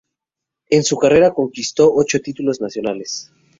En su carrera conquistó ocho títulos nacionales.